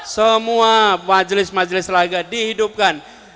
semua majelis majelis laga dihidupkan